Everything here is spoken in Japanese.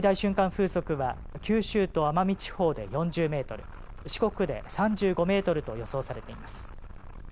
風速は九州と奄美地方で４０メートル、四国で３５メートルと予想されています。